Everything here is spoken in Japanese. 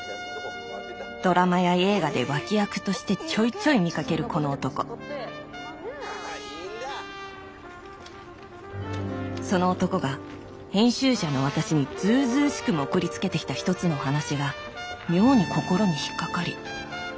ドラマや映画で脇役としてちょいちょい見かけるこの男その男が編集者の私に図々しくも送りつけてきた一つのお話が妙に心に引っ掛かり。